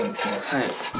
はい。